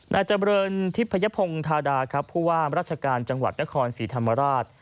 นาจบริญทิพยพงธาดาผู้ว่ารัชการจังหวัดนครสีธรรมราช